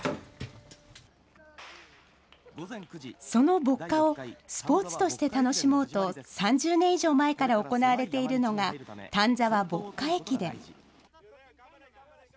その歩荷をスポーツとして楽しもうと、３０年以上前から行われているのが、丹沢ボッカ駅伝。